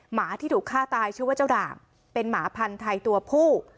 หมาที่ถูกฆ่าตายชื่อว่าเจ้าด่างเป็นหมาพันธุ์ไทยตัวผู้